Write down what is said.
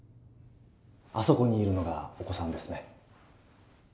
あそこにいるのがお子さんですね？